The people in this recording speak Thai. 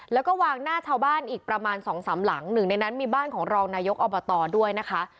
แล้วก็วางหน้าชาวบ้านอีกประมาณสองสามหลังหนึ่งในนั้นมีบ้านของรองนายกอบตด้วยนะคะ